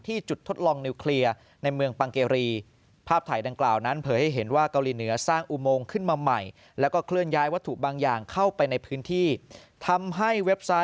ที่จุดทดลองนิวเคลียร์ในเมืองปังเกรี